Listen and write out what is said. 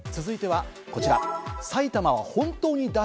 続いてはこちら。